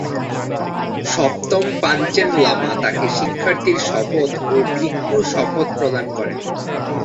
সপ্তম Panchen Lama তাকে শিক্ষার্থীর শপথ ও ভিক্ষুর শপথ প্রদান করেন।